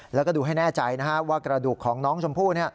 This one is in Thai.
แล้วก็ดูให้แน่ใจว่ากระดูกของน้องชมพู่